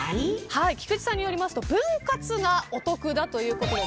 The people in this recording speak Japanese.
菊地さんによると分割がお得だということです。